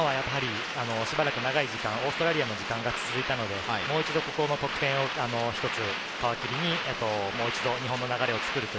今やっぱり長い時間、オーストラリアの時間が続いているので、この得点を皮切りにもう一度、日本の流れを作る。